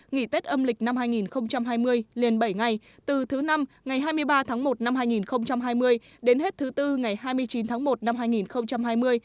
nghỉ tết âm lịch năm hai nghìn hai mươi liền bảy ngày từ thứ năm ngày hai mươi ba tháng một năm hai nghìn hai mươi đến hết thứ bốn ngày hai mươi chín tháng một năm hai nghìn hai mươi